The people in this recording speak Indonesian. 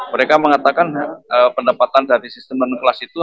mereka mengatakan pendapatan dari sistem non kelas itu